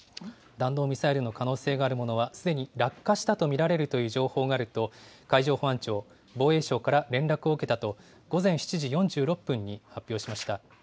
弾道ミサイルの可能性があるものは、すでに落下したと見られるという情報があると、海上保安庁、防衛省から連絡を受けたと、午前７時４６分に発表しました。